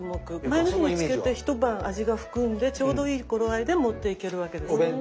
前の日に漬けて一晩味が含んでちょうどいい頃合いで持っていけるわけですよね。